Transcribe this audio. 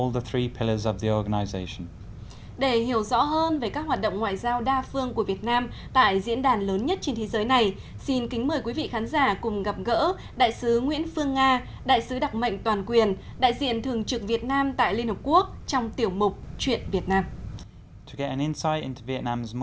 để hiểu rõ hơn về các hoạt động ngoại giao đa phương của việt nam tại diễn đàn lớn nhất trên thế giới này xin kính mời quý vị khán giả cùng gặp gỡ đại sứ nguyễn phương nga đại sứ đặc mệnh toàn quyền đại diện thường trực việt nam tại liên hợp quốc trong tiểu mục chuyện việt nam